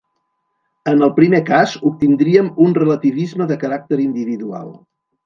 En el primer cas, obtindríem un relativisme de caràcter individual.